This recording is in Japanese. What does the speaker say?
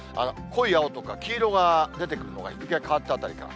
濃い青とか黄色が出てくるのが、日付が変わったあたりから。